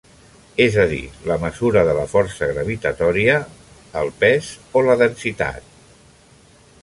És a dir, la mesura de la força gravitatòria, el pes o la densitat.